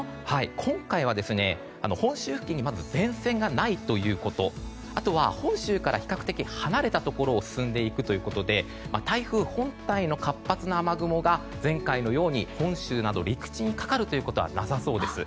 今回は、本州付近に前線がないということあとは本州から比較的離れたところを進んでいくということで台風本体の活発な雨雲が前回のように本州など陸地にかかることはなさそうです。